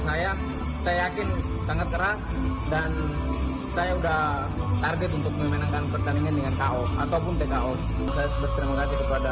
saya berterima kasih kepada kedua orang tua saya